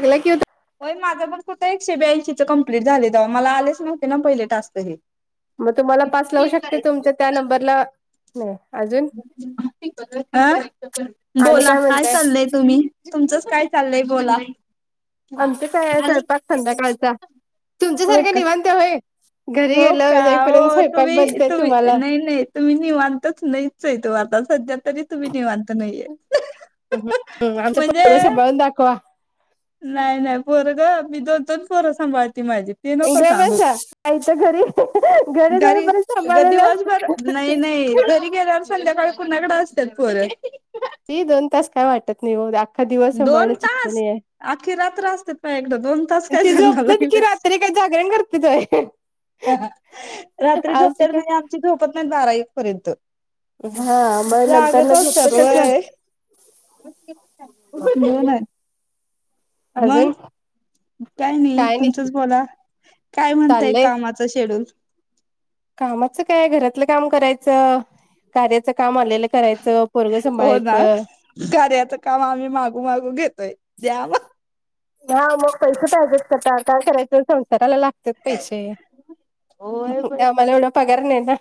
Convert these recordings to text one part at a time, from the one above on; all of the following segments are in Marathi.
लागला कि हो होय माझं मग सुुा एकशे ब्याऐंशीच कं्प्लीट झाले तेव मला आलेच नते ना पहिले टास्त हे मग तुम्हाला पास लावू शकते तुमच्या त्या नंबरला नाही अजून ह आणि बोला काय म्हणताय चाललंय तुम्ही तुमचंच काय चाललय बोला अमंत काय स्वपाक संध्याकाळचा हो तुमच्यासारख्या का निवां हो का स्वयंपाक तुम्ही बनतय तुम्ही तुम्हाला नाही नाही तुम्ही नि म्हनताच नाही च इ तो आता सध्या तरी तुम्ही नि म्हांता नाहीये आमचा म्हणजे पुर्ण सांभाळून दाखवा नाही नाही पोरं ग मी दोन दोन पोरं सांभाळते. माझी ते नको सांगू. गबसा आयच घरी घरी जाईपर्यंत गदी सांभाळलेलं वास बर नाही असतं नाही घरी गेला. संध्याकाळी कुणाकड असतात. फोरं ती दोन तास काय वाटत नाही हो आख्खा दिवस संभाळण चेष्टा नाय अखी रात्र असते प एकदा दोन तास काय ती झोपतात की सांगालागल्यास रात्री काय जागरण करते तोय लास रात्री असं झोपत्या का म्हणजे. आमची झोपत नाहीत बारा एक पर्यंत हा मग नंतर जागच असत्यात झोपतातच ना का तो [unintelligible] अजून.. मग काय नाही तुमचंच बोला काय म्हणतंय चाललंय कामाचा शेड्यूल कामाचं काय घरातलं काम करायचं कार्याच काम आलेलं करायचं पोरं हो ना सांभाळायचं कार्याचं काम आम्ही मागू मागू घेतोय द्या मग हा मग पैसे पाहिजेच करता काय करायच संसाराला लागते पैसे आम्हाला एवढा पगार नाही ना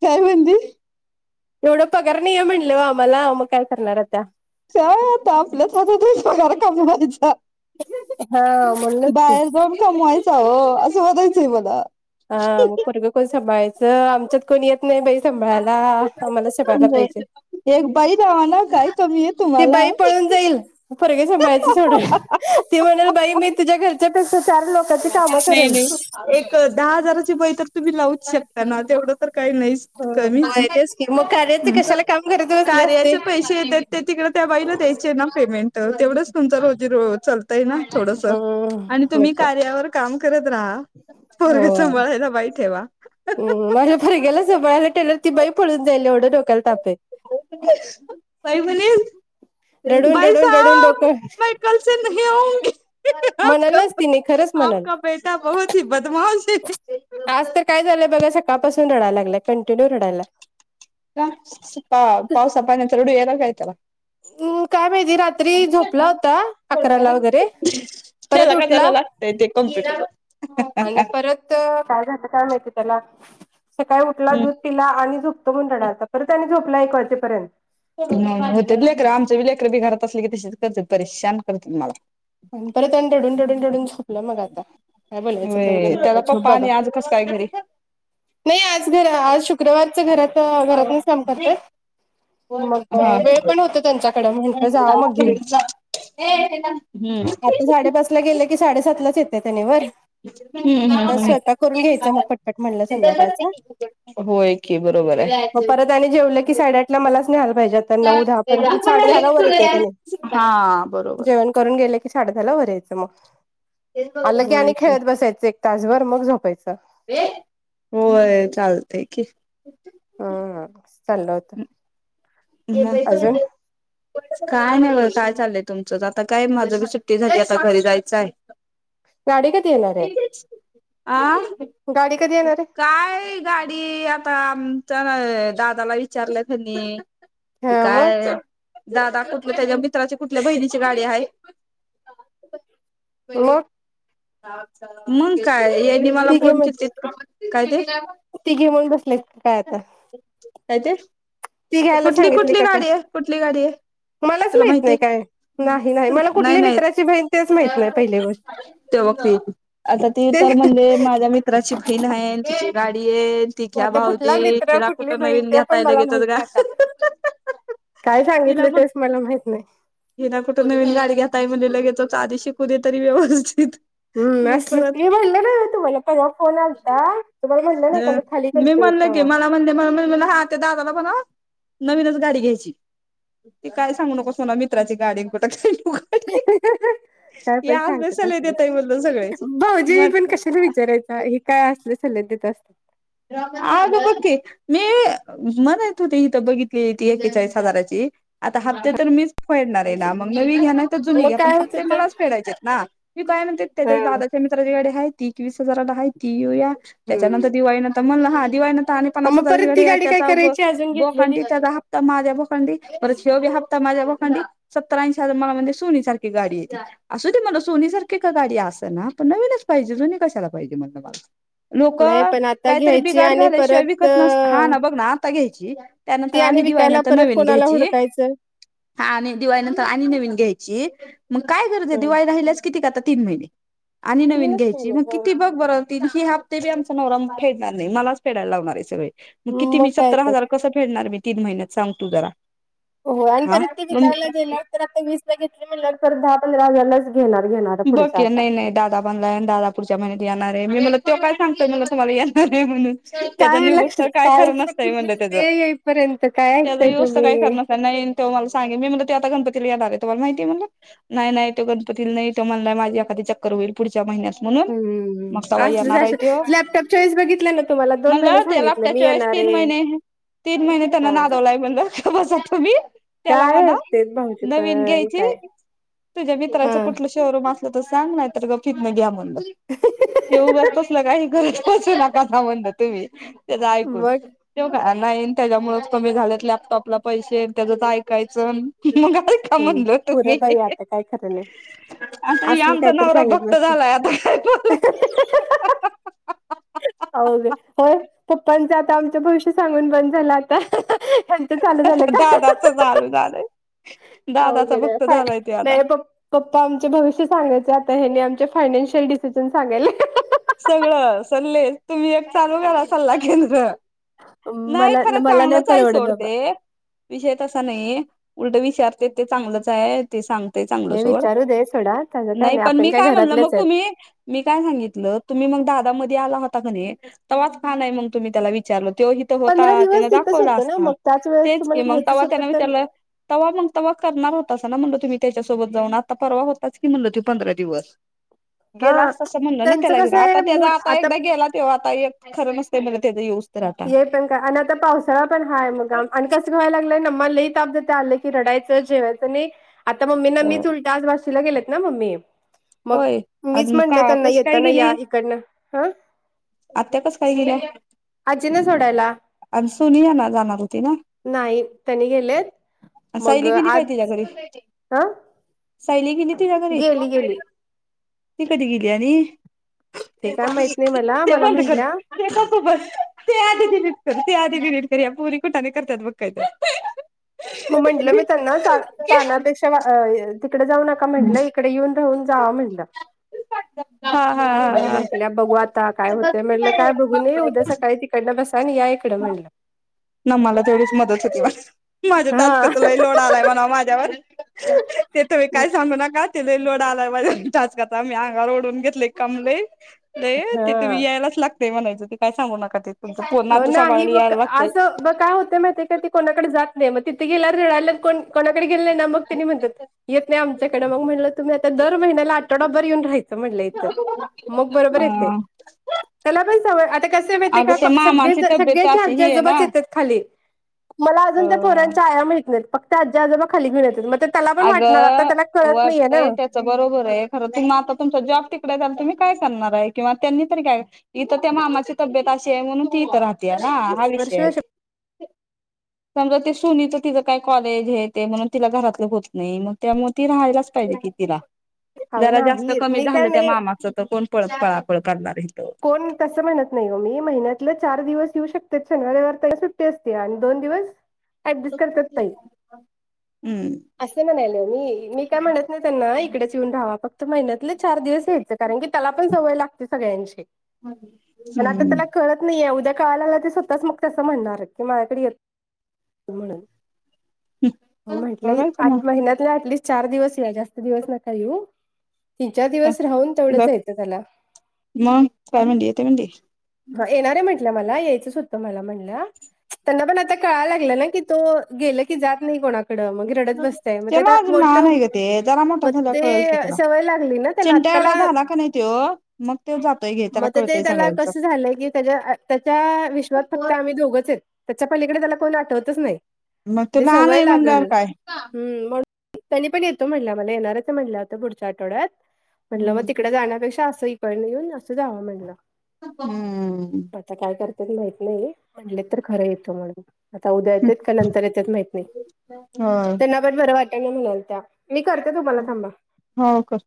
काय म्हणते? एवढं पगार नाहीय म्हणले व आम्हाला मग काय करणार त्या स आता आपल्याचर क बयचा हा म्हणूनच की बाहेस बर कामयचा हो असं वातच बला हा मग परगं कोण सांभाळायचं आमच्यात कोण येतं नाही बाई सांभाळायला आम्हाला सपाायला पाहिजे. एक बाई दवा ना काय कमी आहे. तुम्हाला परगे संभाळायच यच वडय ती म्हणेल बाई मी तुझ्या घरच्यापेक्षा चार लोकांची कामं नाही करेन नाही एक दहा हजाराची बळी तर तुम्ही लावूच शकता ना तेवढं तर काही नाहीच कमीच होय तेच की मग कार्याचे कशाला काम करत बसले असते कार्याचे पैसे येतात. ते तिकड त्या बाईला द्यायचं पेमेंट तेवढच तुम रोजीलतय ना थोडंसं आणि हम्म तुम्ही नको कार्यावर.. काम करत राहा पोरंग संभाळायला बाई ठेवा. हम माझ्या पोरग्याला जवळळायला टेल ती बाई पडून जाईल एवढं डोक्याला तापे.. पहिबने रडून भाई रडून रडून साब डोकं म कलसे नाही आऊगी म्हणालच तिने खरंच म्हणाल.. बेटा बहुीत ही बदमाष आज तर काय झालंय बघा सकाळपासून रडायला लागलाय. कंटिन्यू रडायला पा पावसा पा नंतर रुडू एला कायतला. हम् काय माहिती रात्री झोपला होता. अकराला वगैरे परत त्याला काय उठला... त्याला लागतय ते कॉम्प्युटर.. आणि परत काय झालं काय माहिती त्याला सकाळी उठला दूध तिला आणि झोपतो. म्हणून रडालता परत आणि झोपला. एक व वाजेपर्यंत होते लेकरं आमच बी लेकरं बी घरात असले की तशीच करते. परेशान करते. मला आणि परत अ टढून टढून टढून झोपलं मग आता काय बोलायचं झोबा काही घरी.. नाही आज घर आज शुक्रवारच घरात घरात नाहीच काम करतंय मग हा वेळ पण हम्म होत त्यांच्याकडें म्हटलं जावं मग घेऊन ह ते.. आता साडेपाच ला गेले की साडेसात लाच येते. त्याने वर हम्म हम्म घता स्वयंपाक करून हम्म घ्यायचं मग पटपट म्हणलं संध्याकाळचा होय की बरोबर हो आहे परत आणि जेवलं की साडेआठला मलाच न्याहायला पाहिजे तर नऊ दहा पर्यंत साडे दहा ला वर येते. त्याने हां बरोबर. ून गे की श झाला भरायचं मग आलं की आणि खेळत बसायच ताजवरर मग झोपायचं होय चालतय की हम् ल होत घ [unintelligible] काय नाही बं काय चाललंय तुमचंच आता काय माझं बी सुट्टीसाठी आता घरी जायचं आहे गाडी कधी येणार आहे अं गाडी कधी येणार आहे काय गाडी आता आमच्या ना दादाला विचारलं त्यांनी ते हा मग काय दादा कुठल्या त्याच्या मित्राची कुठल्या बहिणीची गाडी आहे मग मग काय मला तिघे फोन म्हण का काय ते तिघे म्हणून बसलेत काय आता काय ते ती घ्यायला कुठली सांगितली कुठली का काय गाडी आहे कुठली गाडी आहे. मलाच तुला माहित माहिती? नाही काय नाही आहे मला नाही कुठली नाही मित्राची बहीण तेच माहित नाही पहिली गोष्ट ते बघ आता ती ते तर म्हणजे माझ्या मित्राची बहीण आहे. गाडी येन तिघ्या आता कुठला भाऊजी मित्र तिला कुठली कुठं बहीण नवीन ते पण घेतायला मला घेेत माहित ग नाही आता काय सांगितलं तेच मला माहित नाही हे ना कुठे नवीन गाडी घेताय म्हणणे लगेच आधीशी कुदे तरी व्यवस्थित हम् मग असल परत की म्हणलं नाही तुम्हाला परवा फोन आलता तुम्हाला म्हटलं नाही का मी खाली खते तेव्हा म्हण म्ह हा त्या दादाला बण नवीनच गाडी घ्यायची तेी काय सांगू नकसो नाला मित्राची गाडी कुठ का [unintelligible] त्या पण सांगतस बसायला देताय म्हणलं सगळे भाऊजी मग पण कशाला विचारायचा काय असले सले देत असत आग बकी मी म्हण यत होते इिथं बघितली ती एेचाळीस हजाराची आता हप्ते तर मीच फडणार आहे ना मग म मी घ्याणार जु मग घ्या पण काय होत ह्त होतं मला फेडायचे आहेत ना मी काय त्याच्या हा दादा आहे ती एकस हजारला आहे ती येऊ त्याच्यानंतर हम्म दिवाळी म्हण हा दिवाळीन पन्नास मग हजारची परत ती घडी आहेत गाडी काय त्याचा करायची अजून गो घेतलेली कंटीच्या द हप्ता माझ्या पखडडी वेव हप्ता माझ्या पखंडी सत्तराऐंशी हज मला म्हणजे सोनी सारखी गाडी आहे असू दे मला सोनीसारखी का गाडी असत ना पण नवीनच पाहिजे सोनी कशाला पाहिजे मणलं मा लोक नाही पण आता काहीतरी घ्यायची बिघाड आणि झाल्याशिवाय परत विकत नस हा ना बघ ना आता घ्यायची त्यानंतर ती आणि विकायला दिवाळीनंतर परत नवीन कोणाला घ्यायची हुडकायचं हा आणि दिवाळी नंतर आणि नवीन घ्यायची मग काय गरज आहे दिवाळी राहिल्याच त म नन तीनच घ्याय महिने हो कि ब ब ह फेडणार नाही मलाच फेडायला लावणार आहे सगळे मग किती मी काय सत्तर तर हजार कसं फेडणार तीन महिन्यात सांग तू जरा हो आणि हा परत ते विकायला गेल तर आता वीस ब घेतली म्ह ल परत दहा पंधरा हजारलाच नगेन ना आ प बघ पुचयता नाही दादा णला दादा पुढच्या महिनत येणार आहे मी मला तो काय सांगतोय मला तुम्हाला येणार आहे म्हणून त्याच काय न्यू बस् लक्ष तर काय खरण तिथे नसतय खुलीच म्हणज त्याच ते येईपर्यंत काय त्याच ऐकताय न्यूवस् तर काय तुम्ही खण नसत नाही त मला सांगे मी मला ते आता गणपतीला येणार आहे तु मला माहिती मला नाही तो गणपतीला नाही त म्हणलाय माझी एखा चक्कर होईल पुढच्या महिन्यात म्हणून मग हम् तवा येणार आहे असलचं त्यो लॅपटॉप चॉईस बघितल्या ना तुम्हाला दोन महिने सांगित स तीन महिने तीन महिने त्यांना नादवला म्हण बस तो मी त्याला काय मणा ऐकतेत भाऊजी नवीन पण घ्यायची काय तुझ्या मित्राच हम्म कुठ शोरूम असलं तर सांग नाही तर गफीत नाही घ्या म्हण ते उगच तसलं काही कररी बसू नका संबंध तुम्ही तेच ऐकून मग तेव का नाही त्याच्यामुळेच कमी झालेत लॅपटॉपला पैसे त्याचच ऐकायचं मग का हम्म म्हणलो तुम्ही पुरं बाई आता काय खराण आता हे असल आमचा काहीतरी नवरा सांगत भक्त नसते झालाय आता काय अे होय पप्पांच आता आमच्या भविष्य सांगून बंद झालं आता त्यांच चालू झालं का झा आहे हो गड फय आता नाही ब पप्पा आमचे भविष्य सांगायचे आता हेने आमचे फायनान्शियल डिसिजन सांगाय सगळं सल्लेस तुम्ही एक चालू करा सल्ला केंद्र नाही मला खरं मला नाही चांगलंच आहे परवडत बाबा सोडते विषय तसा नाहीये उलट विचारते ते चांगलंच आहे ते सांगतेय चांगल हे सोड विचारू दे सोडा त्याचं काय नाही पण आपण मी काय म्हणलं मग घरातलेच आहेत तुम्ही मी काय सांगितलं तुम्ही मग दादामध्येध्ये आला होता कने तवाच फान आहे मग तुम्ही त्याला विचारलो तेव पंधरा होता दिवस त्या तिथंच दाखवला होतं ना असता मग त्याच वेळेस तेच की तुम्हाला मग घ्यायचंच तेव्हा होतं त्याने तर त्याला तवा्हा मग तवा्हा करणार होताच ना म्हणलं तुम्ही त्याच्यासोबत जाऊन आता परवा होताच की म्हणलं त पंधरा दिवस गेला हा तसं म्हणलं ना त्यांचं त्याला कसं गेला आहे आता त्याचा मूड आता एकदा गेला तेव्हा आता एक खरं नसते म त्याचा यऊज तरटा हे आता पावसाळा पण हाय मगाम आणि कं घेयला लागलंय न्ला ल ताप द आलं रडायचं जेवायच आता मम्मी अ मीच उलट आज वाशीला गेलेत ना मम्मी मग होय मीच आणि का म्हणलं त्यांना कशी काय येताना या गेली इकडनं हं आत्या कच काय गेलं अजि ना सोडायला आणि सोनीया ना जाणार होती ना नाही त्यांनी गेलेत मग सायली गली आज काय तच्याकडे हा सायली गेली तिझ्या घरी गेली गेली ती कधी गेली आणि ते काय माहित नाही मला ते मला बंद कर म्हटल्या ते पपू बस ते आ दिट कर ते आीदीट कर या परी कुठाने करतात बघका मग म्हंटलं मी त्यांना जा चनापेक्षा तिकडे जाऊ नका म्हटलं इकडे येऊन राहून जाव म्हटलं हो हा हा. मग म्हटल्या बघू आता काय होतेय, म्हटलं काय बघू नाही, उद्या सकाळन तिकडन बसा आणि या इक डन म्हणल. ना, मला तेवढीच मदत होती, बास. माझ्या हा टास्कचा लय लोड आलाय म्हणाव, माझ्यावर ते तुम्ही काय सांगू नका. तिला लय लोड आलाय, माझ्या टास्कचा मी अंगावर ओडून घेतलेय काम लय. ते ते हा तुम्ही यायलाच लागतेय म्हणायचं, ते काय सांगू नका ते तुमच नाही बघ असं ब काय होते माहिती काय, ते कोणाकडे जात नाही मग, तिथे गेल्या वर रडायल्याव कोण कोणाकडे गेली नाही ना, मग तेनी म्हणतात येत नाही आमच्याकडे मग म्हटलं, तुम्ही आता दर महिन्याला तो डब्बर येऊन राहील. म्हटलं इथ मग बरोबर येतेय, अ त्याला पण सवय आता कसयं माहितयं अगं का? ते मामांची सगळेच तब्येत सगळ्यांचे अशी आजी ही आहे ना आजोबाच येतात, खाली मला अ आजून त्या पोरांच्या आया माहित नाहीत, फक्त आज्या आजोबा खाली घेऊन येतात, मग त्याला पण वाटणार आता अगं त्याला कळत नाहीये ना. वाटतंय त्याच बरोबर आहे, खरं तुम आता तुमचा जॉब तिकडेच आहे तुम्ही काय करणार आहे, किंवा त्यांनी तरी काय? इथं त्या मामाची तब्येत अशी आहे, म्हणून ती इथं राहते ना हा विषय वर्ष आहे. वर्ष समजा ते सुनीच तिचं काय कॉलेज हे ते म्हणून, तिला घरातल होत नाही, मग त्यामुळे ती राहायलाच पाहिजे कि तिला. हो जरा जास्त नाही कमी मी काय झालं, त्या नाही मामाच तर कोण पळ- पळापळ करणारे. कोण? तसं म्हणत नाही हो मी महिन्यातलं चार दिवस येऊ शकते शनिवार रविवार तर सुट्टी असते, आणि दोन दिवस ऍडजस्ट करतात ताई. हम्म, असे म्हणायले मी मी काय म्हणत नाही, त्यांना इकडेच येऊन रहावा फक्त महिन्यातले चार दिवस यायचं. कारण की, त्याला पण सवय लागते सगळ्यांची. व्हालयं. पण आता त्याला कळत नाहीये, उद्या काळायला लागल्यावर ते स्वतःच मग तसं म्हणणार हाय, की माझ्याकडे येत नाहित म्हणून, म्हटलय बघायचं मग आठ महिन्यातल्या अँटलिस्ट चार दिवस या जास्त दिवस नका येऊ, तीन चार दिवस राहून तेवढंच द्यायच त्याला. मग काय म्हणली? येतो म्हणली. हा येणारे म्हटल्या मला, यायचंच होतं मला म्हणल्या. त्यांना पण आता कळायला लागलं ना, की तो गेल की जात नाही कोणाकड. मग रडत बसतयं मग, म ते आत्ता माझ मोठ लहान आहे ग ते जरा मोठा मग झाला कळेल की ते त्याला सवय लागली ना. त्याला चिंट्या आत्ताला एवढा झाला का, नाही तो मग त्यो जातोय घे. मग त्याला तर ते कळतय त्याला सगळ्यांच कसं झालंय की, त्याच्या- त्याच्या विश्वात फक्त आम्ही दोघचयं. त्याच्या पहिलीकडे त्याला कोण आठवतच नाही, मग तो ते लहान सवय आहे म्हणल्यावर लागल काय म्हणून त्यांनी पण येतो म्हणल्या, मला येणारच हाय म्हणल्या आत्ता पुढच्या आठवड्यात. म्हणल मग हम्म तिकडे जाण्यापेक्षा, असं इकडन येऊन असं जावा म्हणल. हम्म, आता काय करते ते माहित नाही, म्हटले तर खरं येतं म्हणून. आता उद्या येतात का नंतर येतात माहित नाही, होय त्यांना पण बरं वाटत ना म्हणाल त्या. मी करते तुम्हाला थांबा. हो का?